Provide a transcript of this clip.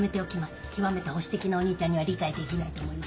極めて保守的なお兄ちゃんには理解できないと思いますので。